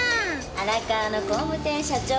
荒川の工務店社長